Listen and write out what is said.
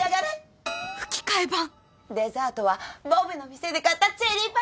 吹き替え版デザートはボブの店で買ったチェリーパイよ。